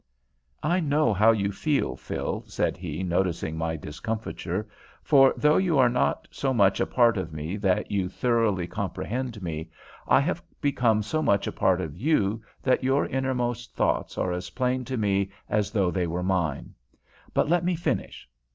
"I know how you feel, Phil," said he, noticing my discomfiture, "for, though you are not so much a part of me that you thoroughly comprehend me, I have become so much a part of you that your innermost thoughts are as plain to me as though they were mine. But let me finish.